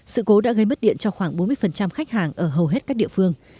sự cố đã gây mất điện cho khoảng bốn mươi khách hàng ở hầu hết các địa phương